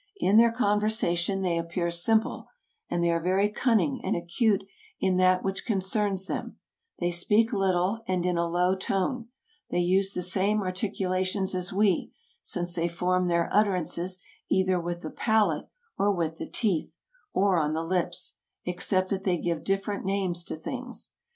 In their conversation they appear simple, and they are very cunning and acute in that which concerns them ; they speak little and in a low tone ; they use the same articulations as we, since they form their utterances either with the palate, or with the teeth, or on the lips, except that they give different names to things.